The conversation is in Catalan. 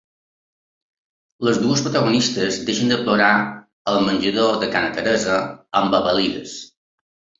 Les dues protagonistes deixen de plorar al menjador de ca la Teresa, embadalides.